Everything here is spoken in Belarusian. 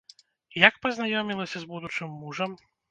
Як пазнаёмілася з будучым мужам?